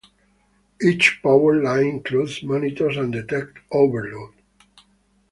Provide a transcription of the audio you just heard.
Each power line includes monitors that detect overload.